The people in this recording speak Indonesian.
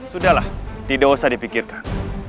sudahlah tidak usah dipikirkan